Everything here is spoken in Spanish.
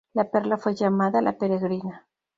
La perla fue llamada La Peregrina.